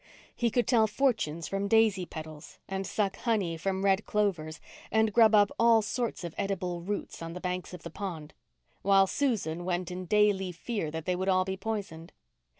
He could tell fortunes from daisy petals and suck honey from red clovers, and grub up all sorts of edible roots on the banks of the pond, while Susan went in daily fear that they would all be poisoned.